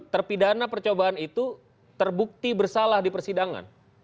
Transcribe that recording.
terpidana percobaan itu terbukti bersalah di persidangan